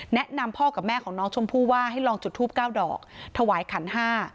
แนะนำพ่อกับแม่ของน้องชมพู่ว่าให้ลองจุดทูปเก้าดอกถวายขันห้า